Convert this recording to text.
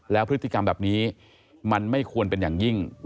แล้วพฤติกรรมแบบนี้มันไม่ควรเป็นอย่างยิ่ง